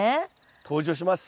登場します。